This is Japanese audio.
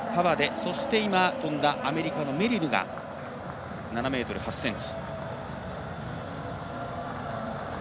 そして、今跳んだメリルが７ｍ８ｃｍ。